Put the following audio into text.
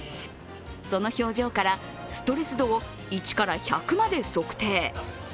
その表情からストレス度を１から１００まで測定。